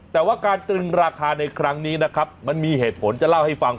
แต่ว่าการตรึงราคาในครั้งนี้นะครับมันมีเหตุผลจะเล่าให้ฟัง